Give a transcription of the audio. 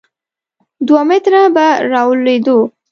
دوه متره به راولوېدو.